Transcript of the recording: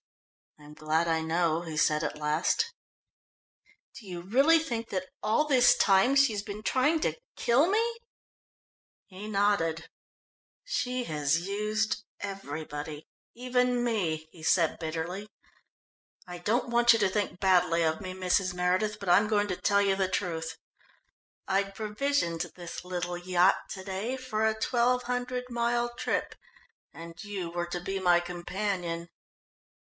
"I'm glad I know," he said at last. "Do you really think that all this time she has been trying to kill me?" He nodded. "She has used everybody, even me," he said bitterly. "I don't want you to think badly of me, Mrs. Meredith, but I'm going to tell you the truth. I'd provisioned this little yacht to day for a twelve hundred mile trip, and you were to be my companion."